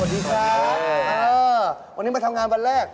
วันนี้เขามาทำงานวันแรก